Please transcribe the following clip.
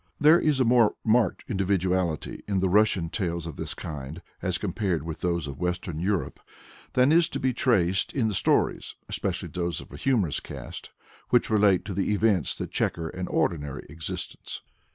There is a more marked individuality in the Russian tales of this kind, as compared with those of Western Europe, than is to be traced in the stories (especially those of a humorous cast) which relate to the events that chequer an ordinary existence.